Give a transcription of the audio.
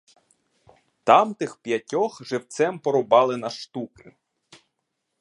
Тамтих п'ятьох живцем порубали на штуки.